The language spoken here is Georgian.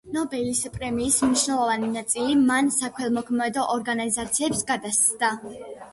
ნობელის პრემიის მნიშვნელოვანი ნაწილი მან საქველმოქმედო ორგანიზაციებს გადასცა.